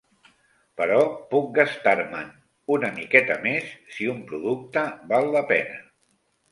Però puc gastar-me'n una miqueta més, si un producte val la pena.